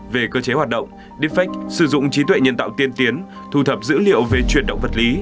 về cơ chế hoạt động defect sử dụng trí tuệ nhân tạo tiên tiến thu thập dữ liệu về chuyển động vật lý